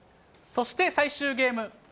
そして、最終ゲーム。